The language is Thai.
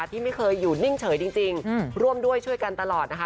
ที่ไม่เคยอยู่นิ่งเฉยจริงร่วมด้วยช่วยกันตลอดนะคะ